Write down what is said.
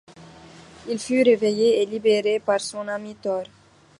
Il fut réveillé et libéré par son ami Thor.